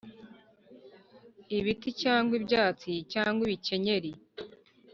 ibiti, cyangwa ibyatsi, cyangwa ibikenyeri,